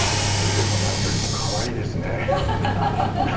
それよりも何よりも可愛いですね。